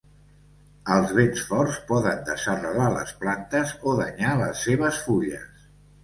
Els vents forts poden desarrelar les plantes o danyar les seves fulles.